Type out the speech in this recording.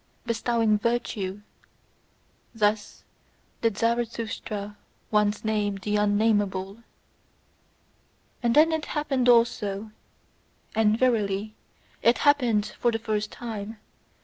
"Bestowing virtue" thus did Zarathustra once name the unnamable. And then it happened also, and verily, it happened for the first time!